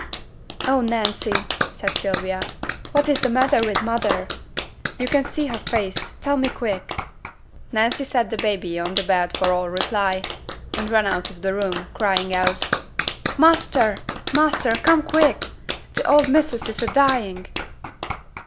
'Oh, Nancy!' said Sylvia; 'what is the matter with mother? yo' can see her face; tell me quick!' Nancy set the baby on the bed for all reply, and ran out of the room, crying out, 'Master! master! Come quick! T' old missus is a dying!'